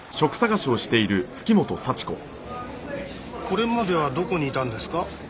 これまではどこにいたんですか？